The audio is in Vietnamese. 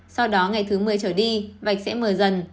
sau đó ngày thứ một mươi trở đi vạch sẽ mờ dần